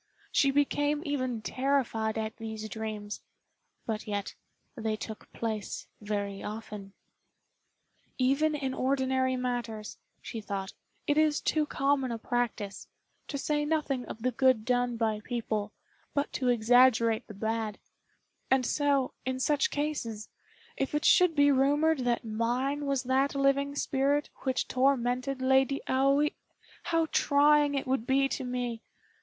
She became even terrified at these dreams; but yet they took place very often. "Even in ordinary matters," she thought, "it is too common a practice, to say nothing of the good done by people, but to exaggerate the bad; and so, in such cases, if it should be rumored that mine was that living spirit which tormented Lady Aoi, how trying it would be to me!